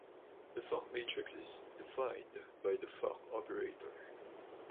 The Fock matrix is defined by the "Fock operator".